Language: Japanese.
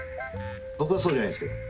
僕はそうじゃないですけど。